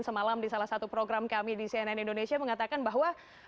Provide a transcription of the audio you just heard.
semalam di salah satu program kami di cnn indonesia mengatakan bahwa